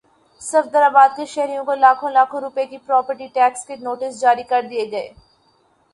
صفدرآباد کے شہریوں کو لاکھوں لاکھوں روپے کے پراپرٹی ٹیکس کے نوٹس جاری کردیئے گئے